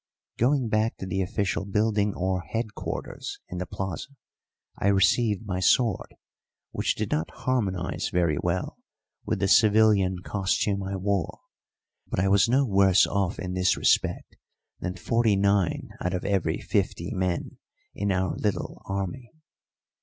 Going back to the official building or headquarters in the plaza, I received my sword, which did not harmonise very well with the civilian costume I wore; but I was no worse off in this respect than forty nine out of every fifty men in our little army.